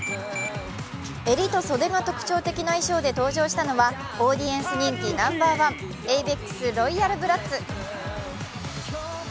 襟と袖が特徴的な衣装で登場したのはオーディエンス人気ナンバーワン、ａｖｅｘＲＯＹＡＬＢＲＡＴＳ。